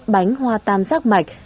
bánh hoa tam giác mạch